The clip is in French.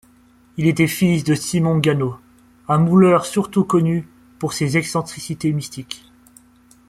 Il était fils de Simon Ganneau, un mouleur surtout connu pour ses excentricités mystiques.